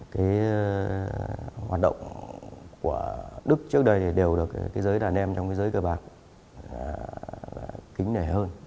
cái hoạt động của đức trước đây đều được cái giới đàn em trong cái giới cờ bạc kính nẻ hơn